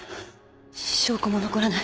証拠も残らない。